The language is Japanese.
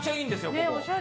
ここ。